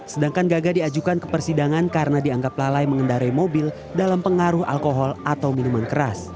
sedangkan gagah diajukan ke persidangan karena dianggap lalai mengendarai mobil dalam pengaruh alkohol atau minuman keras